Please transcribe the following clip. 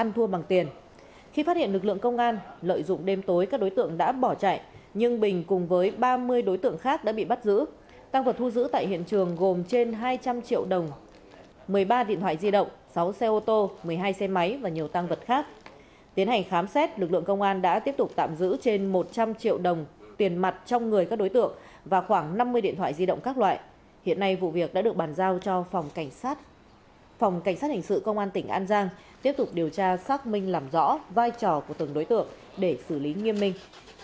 tại đây công tác chuẩn bị đã hoàn thành bắt đầu tiếp nhận người thuộc diện cách ly hiện nay vụ việc đã được bàn giao cho phòng cảnh sát hình sự công an tỉnh an giang tiếp tục điều tra xác minh làm rõ vai trò của từng đối tượng để xử lý nghiêm minh